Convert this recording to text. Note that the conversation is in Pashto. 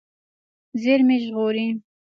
زیرمې ژغورئ.